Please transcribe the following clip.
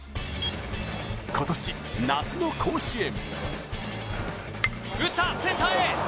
今年、夏の甲子園。